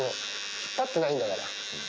引っ張ってないんだから。